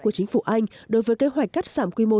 của chính phủ anh đối với kế hoạch cắt giảm quy mô